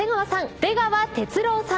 出川哲朗さん